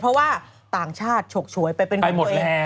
เพราะว่าต่างชาติฉกฉวยไปเป็นของตัวเอง